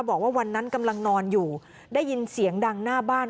บอกว่าวันนั้นกำลังนอนอยู่ได้ยินเสียงดังหน้าบ้าน